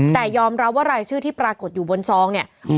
แต่ยอมรับว่ารายชื่อที่ปรากฏอยู่บนซองเนี่ย